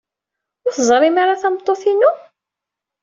Ur teẓrim ara tameṭṭut-inu?